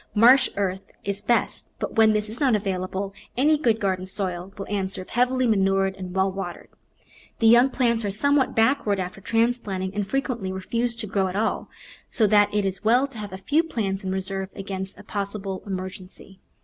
Marsh earth is best, but where this is not available any good garden soil will answer if heavily manured and well watered. The young plants are somewhat backward after transplanting and frequently refuse to grow at all, so that it is well to have a few plants in reserve against a possible emergency.